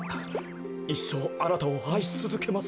いっしょうあなたをあいしつづけます。